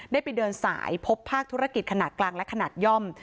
ได้ไปเดินสายพบภาคธุรกิจขนาดกลางและขนาดย่อม